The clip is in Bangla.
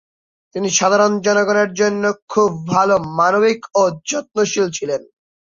তিনি সাধারণ জনগণের জন্য খুব ভাল মানবিক ও যত্নশীল ছিলেন।